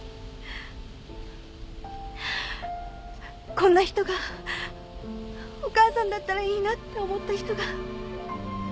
こんな人がお母さんだったらいいなって思った人が。